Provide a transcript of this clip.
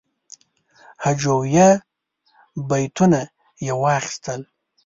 هجویه بیتونه یې واخیستل.